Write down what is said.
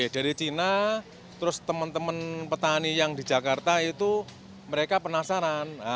dari cina terus teman teman petani yang di jakarta itu mereka penasaran